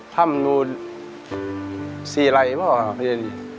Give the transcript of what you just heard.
ทำอยู่สี่ไร่มั้ยครับ